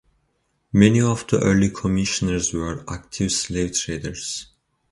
Many of the early commissioners were active slave traders.